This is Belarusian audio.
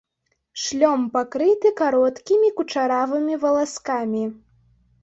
Шлём пакрыты кароткімі кучаравымі валаскамі.